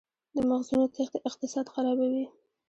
د مغزونو تیښته اقتصاد خرابوي؟